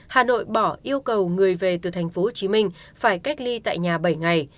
hà nội bỏ yêu cầu người về từ thành phố hồ chí minh phải cách ly tại nhà bảy ngày